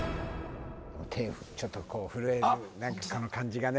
手ちょっと震えるこの感じがね